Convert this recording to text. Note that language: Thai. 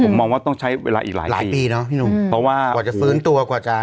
ผมมองว่าต้องใช้เวลาอีกหลายหลายปีเนอะพี่หนุ่มเพราะว่ากว่าจะฟื้นตัวกว่าจะ